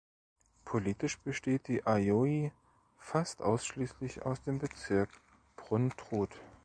Politisch besteht die Ajoie fast ausschliesslich aus dem Bezirk Pruntrut.